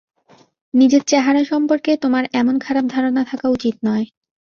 নিজের চেহারা সম্পর্কে তোমার এমন খারাপ ধারণা থাকা উচিত নয়।